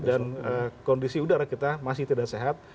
dan kondisi udara kita masih tidak sehat